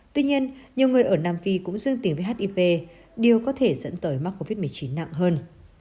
tuy nhiên nhiều người ở nam phi cũng dương tính với hiv điều có thể dẫn tới mắc covid một mươi chín nặng hơn